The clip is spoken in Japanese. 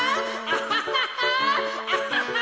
アハハハ！